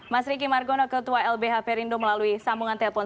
mas riki margono ketua lbh perindo melalui sambungan telepon